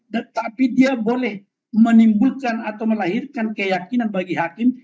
tetapi dia boleh menimbulkan atau melahirkan keyakinan bagi hakim